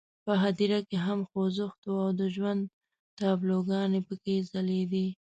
په هدیرو کې یې هم خوځښت وو او د ژوند تابلوګانې پکې ځلېدې.